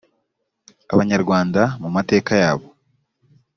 abanyarwanda mu mateka yabo